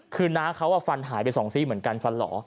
คือน้าเขาฟันหายไปสองซี่เหมือนกันฟันหล่อ